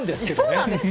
そうなんです。